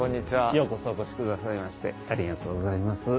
ようこそお越しくださいましてありがとうございます。